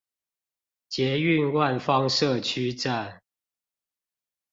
捷運萬芳社區站